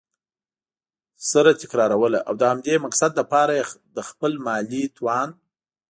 سره تكراروله؛ او د همدې مقصد له پاره یي له خپل مالي توان